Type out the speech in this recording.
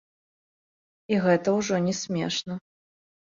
І гэта ўжо не смешна.